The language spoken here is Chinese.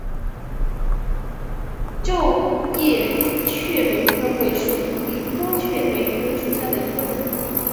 皱叶雀梅藤为鼠李科雀梅藤属下的一个种。